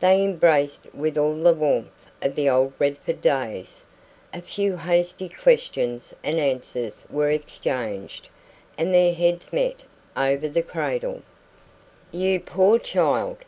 They embraced with all the warmth of the old Redford days. A few hasty questions and answers were exchanged, and their heads met over the cradle. "You poor child!"